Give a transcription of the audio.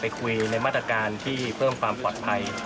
คุยในมาตรการที่เพิ่มความปลอดภัย